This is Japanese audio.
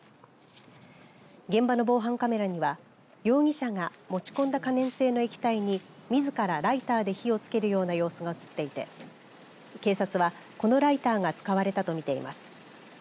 現場の防犯カメラには容疑者が持ち込んだ可燃性の液体にみずからライターで火をつけるような様子が写っていて警察は、このライターが使われたとみています。